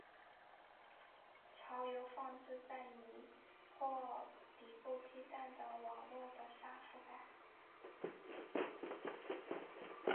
巢由放置在泥或底部鸡蛋的网络的沙覆盖。